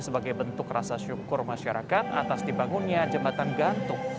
sebagai bentuk rasa syukur masyarakat atas dibangunnya jembatan gantung